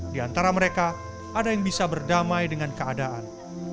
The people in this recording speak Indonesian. di antara mereka ada yang bisa berdamai dengan keadaan